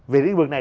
về lĩnh vực này